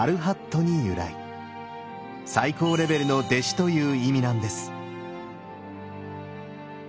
「最高レベルの弟子」という意味なんです。